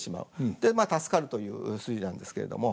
でまあ助かるという筋なんですけれども。